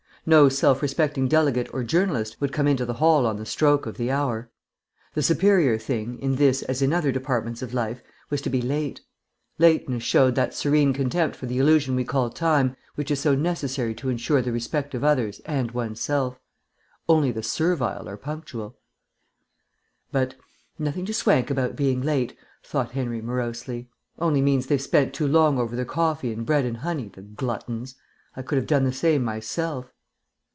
No self respecting delegate or journalist would come into the hall on the stroke of the hour. The superior thing, in this as in other departments of life, was to be late. Lateness showed that serene contempt for the illusion we call time which is so necessary to ensure the respect of others and oneself. Only the servile are punctual.... But "Nothing to swank about in being late," thought Henry morosely; "only means they've spent too long over their coffee and bread and honey, the gluttons. I could have done the same myself."